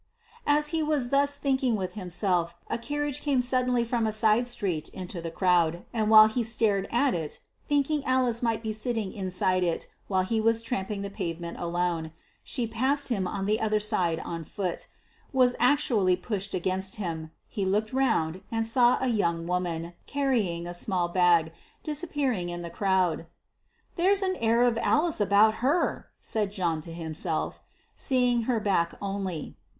As he was thus thinking with himself, a carriage came suddenly from a side street into the crowd, and while he stared at it, thinking Alice might be sitting inside it while he was tramping the pavement alone, she passed him on the other side on foot was actually pushed against him: he looked round, and saw a young woman, carrying a small bag, disappearing in the crowd. "There's an air of Alice about her" said John to himself, seeing her back only.